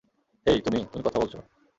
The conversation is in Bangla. হেই, তুমি, তুমি কথা বলছো।